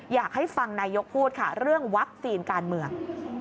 อยากให้ฟังนายกพูดค่ะเรื่องวัคซีนการเมือง